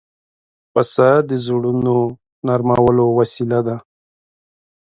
پسه د زړونو نرمولو وسیله ده.